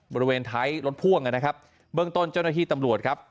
บริเวณท้ายรถพ่วงนะครับเบื้องต้นเจ้าหน้าที่ตำรวจครับ